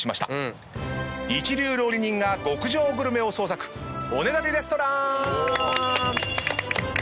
一流料理人が極上グルメを創作おねだりレストラン！